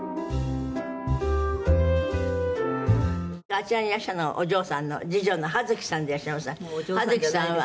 あちらにいらっしゃるのがお嬢さんの次女のはづきさんでいらっしゃいますが。